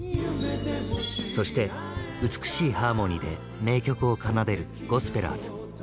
そして美しいハーモニーで名曲を奏でるゴスペラーズ。